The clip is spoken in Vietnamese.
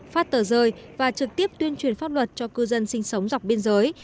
phát tờ rơi và trực tiếp tuyên truyền pháp luật cho cư dân sinh sống dọc biên giới